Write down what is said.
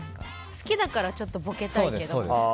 好きだからちょっとボケたいけどみたいな。